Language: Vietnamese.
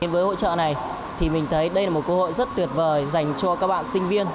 với hội trợ này thì mình thấy đây là một cơ hội rất tuyệt vời dành cho các bạn sinh viên